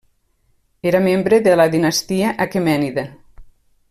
Era membre de la dinastia Aquemènida.